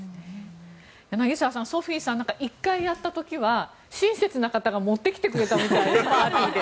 柳澤さん、ソフィーさん１回やった時は親切な方が持ってきてくれたみたいパーティーで。